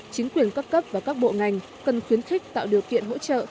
chính quyền cấp cấp và các bộ ngành cần khuyến khích tạo điều kiện hỗ trợ